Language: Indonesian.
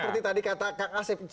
seperti tadi kata kak kasip